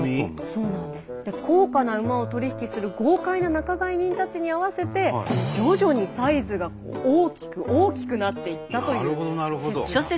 高価な馬を取り引きする豪快な仲買人たちに合わせて徐々にサイズが大きく大きくなっていったという説があるそうなんです。